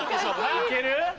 いける？